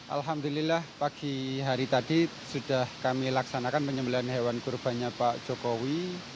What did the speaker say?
alhamdulillah pagi hari tadi sudah kami laksanakan penyembelian hewan kurbannya pak jokowi